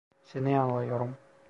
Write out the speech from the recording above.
Seni anlıyorum.